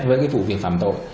với cái vụ việc phạm tội